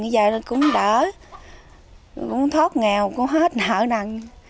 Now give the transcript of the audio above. giờ cũng đỡ cũng thoát nghèo cũng hết nợ nặng